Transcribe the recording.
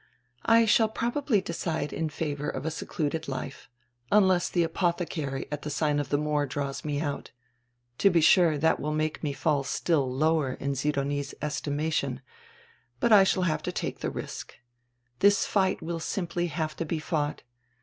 "I shall probably decide in favor of a secluded life, unless die Apodiecaiy at the sign of die Moor draws me out. To be sure, tiiat will make me fall still lower in Sidonie's estimation, but I shall have to take die risk. This fight will simply have to be fought.